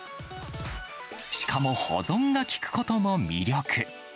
しかも保存が利くことも魅力。